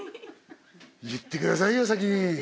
言ってくださいよ先に。